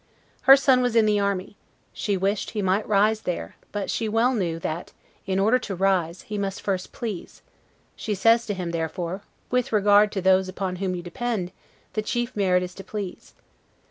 Her son was in the army, she wished he might rise there; but she well knew, that, in order to rise, he must first please: she says to him, therefore, With regard to those upon whom you depend, the chief merit is to please.